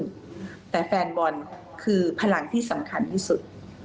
อยู่บนฟุตบอลคือพลังที่สำคัญที่สุด